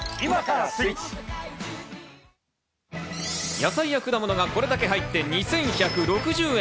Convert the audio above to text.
野菜や果物がこれだけ入って２１６０円。